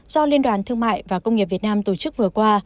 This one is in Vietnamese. do liên đoàn thương mại và công nghiệp việt nam tổ chức vừa qua